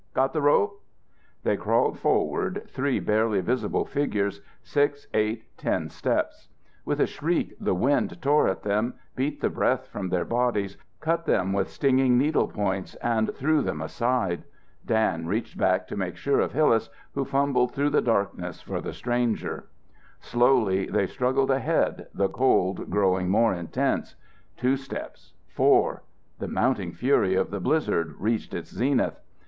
Got the rope?" They crawled forward, three barely visible figures, six, eight, ten steps. With a shriek the wind tore at them, beat the breath from their bodies, cut them with stinging needle points and threw them aside. Dan reached back to make sure of Hillas who fumbled through the darkness for the stranger. Slowly they struggled ahead, the cold growing more intense; two steps, four, and the mounting fury of the blizzard reached its zenith.